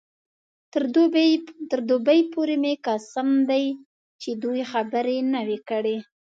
تر دوبۍ پورې مې قسم دی چې دوې خبرې نه وې کړې.